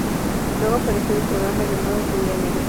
Luego apareció en un programa llamado "Tu día alegre".